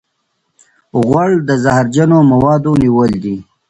غول د زهرجنو موادو نیول دی.